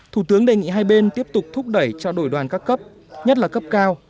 thủ tướng đề nghị hai bên tiếp tục thúc đẩy trao đổi đoàn các cấp nhất là cấp cao